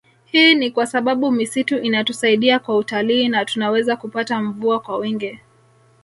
Hii ni kwa sababu misitu inatusaidia kwa utalii na tunaweza kupata mvua kwa wingi